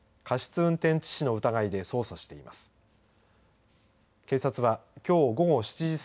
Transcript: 運転致死の疑いで捜査しています。